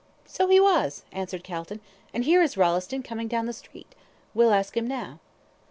"So he was," answered Calton; "and here is Rolleston coming down the street. We'll ask him now."